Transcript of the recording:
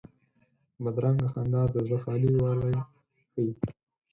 بدرنګه خندا د زړه خالي والی ښيي